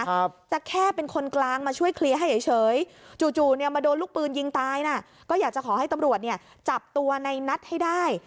แต่แค่เป็นคนกลางมาช่วยเคลียร์ให้เฉยจู่มาโดนลูกปืนยิงตายนะก็อยากจะขอให้ตำรวจจับตัวนายนัทให้ได้